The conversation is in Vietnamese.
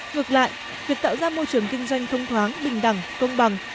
ngược lại việc tạo ra môi trường kinh doanh thông thoáng bình đẳng công bằng